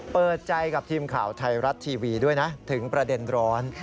เปิดใจกับทีมข่าวไทยรัฐทีวีด้วยนะถึงประเด็นร้อน